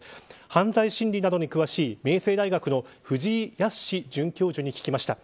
犯罪心理に詳しい明星大学の藤井靖准教授に聞きました。